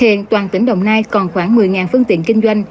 hiện toàn tỉnh đồng nai còn khoảng một mươi phương tiện kinh doanh